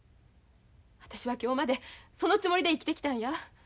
私は今日までそのつもりで生きてきたんや。